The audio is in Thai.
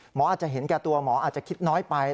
อาจจะเห็นแก่ตัวหมออาจจะคิดน้อยไป